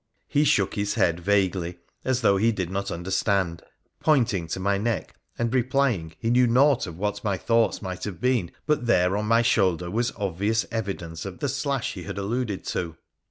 ' He shook his head vaguely, as though he did not under stand, pointing to my neck, and replying he knew naught of what my thoughts might have been, but there, on my shoulder, was obvious evidence of the ' slash ' he had alluded to.